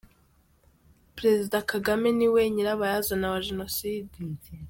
-Perezida Kagame niwe nyirabayazana wa jenoside